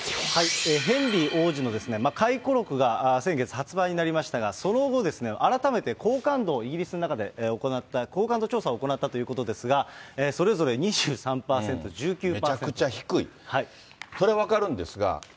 ヘンリー王子の回顧録が先月、発売になりましたが、その後、改めて好感度をイギリスの中で行った、好感度調査を行ったということですが、それぞれ２３％、１９％。